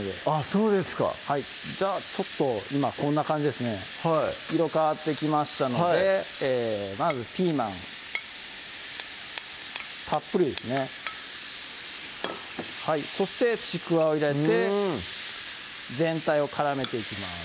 そうですかはいじゃあちょっと今こんな感じですね色変わってきましたのでまずピーマンたっぷりですねそしてちくわを入れて全体を絡めていきます